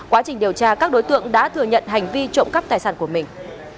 quá trình điều tra các đối tượng đã thừa nhận hành vi trộm cắp tài sản của mình